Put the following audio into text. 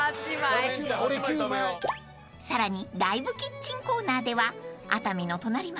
［さらにライブキッチンコーナーでは熱海の隣町］